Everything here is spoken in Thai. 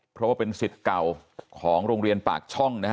เพราะว่าเป็นสิทธิ์เก่าของโรงเรียนปากช่องนะฮะ